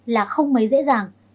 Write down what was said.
là không mấy dễ dàng